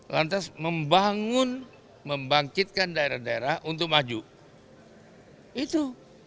lantas membangun membangkitkan daerah daerah untuk maju itu